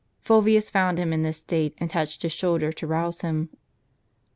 Fulvius found him in this state, and touched his shoulder to rouse him.